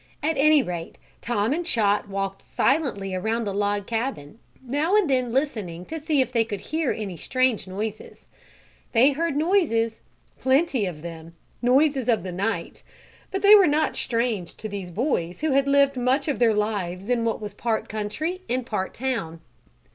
At any rate Tom and Chot walked silently around the log cabin, now and then listening to see if they could hear any strange noises. They heard noises plenty of them noises of the night, but they were not strange to these boys who had lived much of their lives in what was part country and part town.